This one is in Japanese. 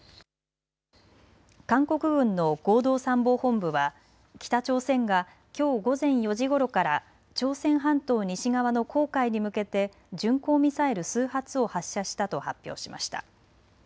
韓国軍の合同参謀本部は北朝鮮がきょう午前４時ごろから朝鮮半島西側の黄海に向けて巡航ミサイル数発を発射したと発表しました。